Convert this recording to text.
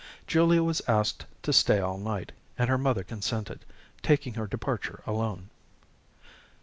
Julia was asked to stay all night, and her mother consented, taking her departure alone.